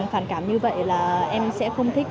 phản cảm như vậy là em sẽ không thích